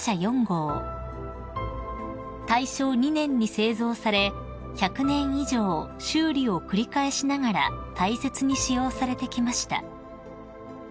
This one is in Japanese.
［大正２年に製造され１００年以上修理を繰り返しながら大切に使用されてきました］